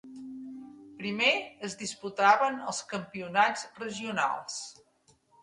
Primer es disputaven els campionats regionals.